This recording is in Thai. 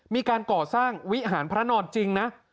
มีการก่อสร้างวิหารพระนอนจริงนะ